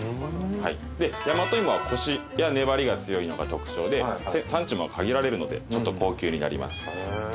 で大和芋はコシやねばりが強いのが特徴で産地も限られるのでちょっと高級になります。